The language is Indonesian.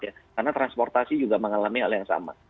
karena transportasi juga mengalami hal yang sama